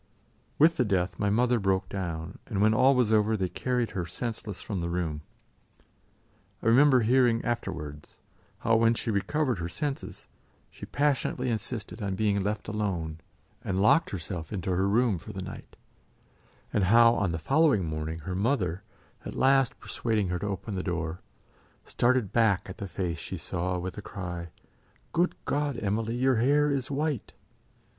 With the death, my mother broke down, and when all was over they carried her senseless from the room. I remember hearing afterwards how, when she recovered her senses, she passionately insisted on being left alone, and locked herself into her room for the night; and how on the following morning her mother, at last persuading her to open the door, started back at the face she saw with the cry: "Good God, Emily! your hair is white!"